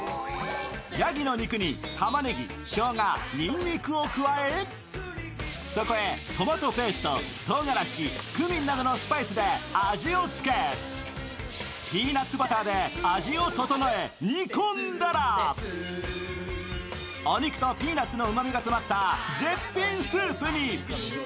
やぎの肉にたまねぎ、しょうがにんにくを加え、そこへトマトペースト、とうがらしクミンなどのスパイスで味を付けピーナッツスープで味を整え煮込んだらお肉とピーナッツのうまみが詰まった絶品スープに。